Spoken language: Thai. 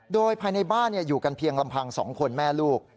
โดยภายในบ้านอยู่กันเพียงลำพัง๒คนแม่ลูก